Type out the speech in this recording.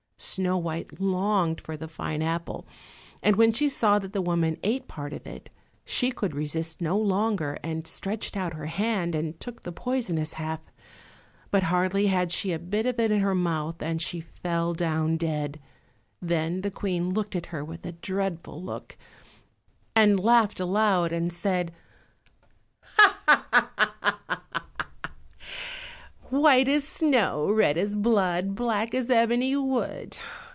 Snow white longed for the fine apple, and when she saw that the woman ate part of it she could resist no longer, and stretched out her hand and took the poisonous half. But hardly had she a bit of it in her mouth than she fell down dead. Then the Queen looked at her with a dreadful look, and laughed aloud and said, "White as snow, red as blood, black as ebony wood!